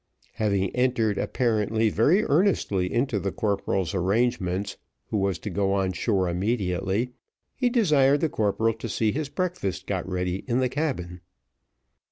Having entered apparently very earnestly into the corporal's arrangements, who was to go on shore immediately, he desired the corporal to see his breakfast got ready in the cabin.